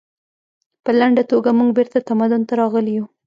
په لنډه توګه موږ بیرته تمدن ته راغلي یو